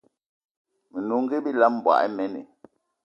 Menungi bilam, mboigi imen